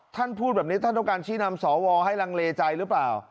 ท่านพูดแบบนี้ท่านต้องการชี้นำสวให้ลังเลใจหรือเปล่า